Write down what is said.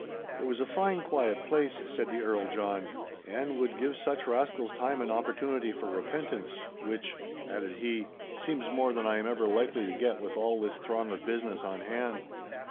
'It was a fine, quiet place,' said the Earl John, 'and would give such rascals time and opportunity for repentance—which,' added he, 'seems more than I am ever likely to get with all this throng of business on hand.